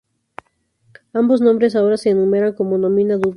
Ambos nombres ahora se enumeran como "nomina dubia".